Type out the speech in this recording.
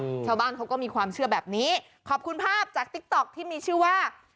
ชาวบ้านเขาก็มีความเชื่อแบบนี้ขอบคุณภาพจากติ๊กต๊อกที่มีชื่อว่า